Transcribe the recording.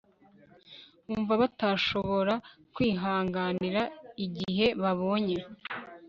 bumva batashobora kwihanganira igihe babona